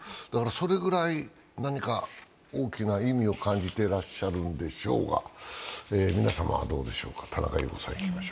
それぐらい何か大きな意味を感じていらっしゃるんでしょうが、皆様はどうでしょうか。